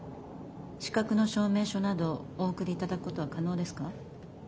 資格の証明書などお送り頂くことは可能ですか？